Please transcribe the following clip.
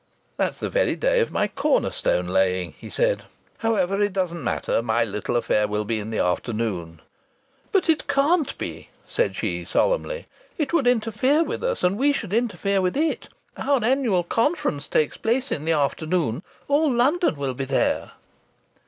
"That's the very day of my corner stone laying," he said. "However, it doesn't matter. My little affair will be in the afternoon." "But it can't be," said she, solemnly. "It would interfere with us, and we should interfere with it. Our Annual Conference takes place in the afternoon. All London will be there."